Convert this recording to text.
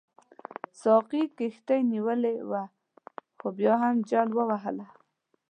ساقي کښتۍ نیولې وه خو بیا هم جل وهله.